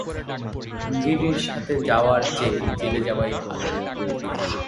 গিরির সাথে যাওয়ার চেয়ে জেলে যাওয়াই ভালো।